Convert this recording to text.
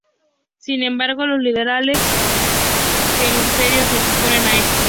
Sin embargo, los líderes del monasterio se oponen a esto.